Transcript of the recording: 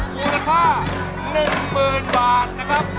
เพลงที่๓นะครับอุณหภาษา๑๐๐๐บาทนะครับ